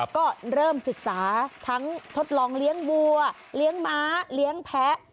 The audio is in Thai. ก็เริ่มศึกษาทั้งทดลองเลี้ยงบัวเลี้ยงม้าเลี้ยงแพ้